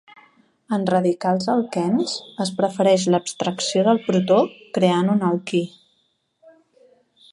En radicals alquens, es prefereix l'abstracció del protó creant un alquí.